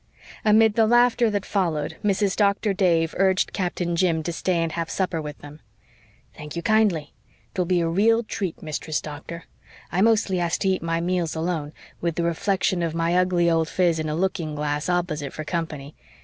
Amid the laughter that followed Mrs. Doctor Dave urged Captain Jim to stay and have supper with them. "Thank you kindly. 'Twill be a real treat, Mistress Doctor. I mostly has to eat my meals alone, with the reflection of my ugly old phiz in a looking glass opposite for company.